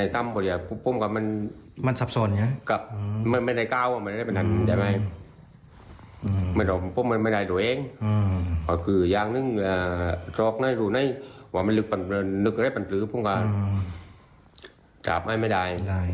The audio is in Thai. ถามพระลูกวัดน้ำผุดต้ายนะคะ